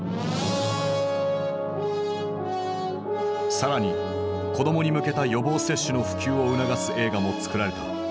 更に子供に向けた予防接種の普及を促す映画も作られた。